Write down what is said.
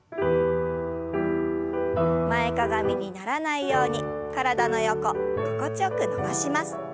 前かがみにならないように体の横心地よく伸ばします。